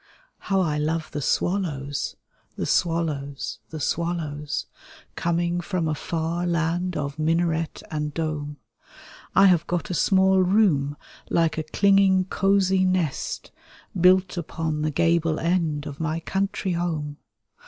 How I love the swallows, the swallows, the swallows. Coming from a far land of minaret and dome. I have got a small room, like a clinging cosy nest. Built upon the gable end of my country home.